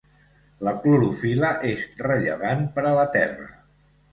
La clorofil·la és rellevant per a la Terra.